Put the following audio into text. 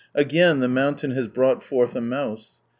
Again the mountain has 31 brought forth a mouse.